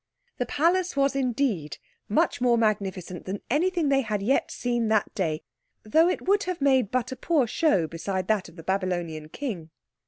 The palace was indeed much more magnificent than anything they had yet seen that day, though it would have made but a poor show beside that of the Babylonian King.